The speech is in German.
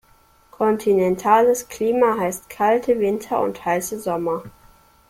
Kontinentales Klima heißt kalte Winter und heiße Sommer.